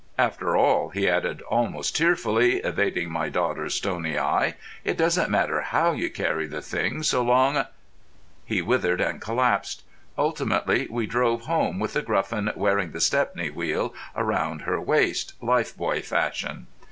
After all," he added almost tearfully, evading my daughter's stony eye, "it doesn't matter how you carry the thing, so long——" He withered and collapsed. Ultimately we drove home with The Gruffin wearing the Stepney wheel round her waist, lifebuoy fashion.